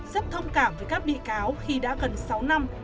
rất thông cảm với các bị cáo khi đã gần sáu năm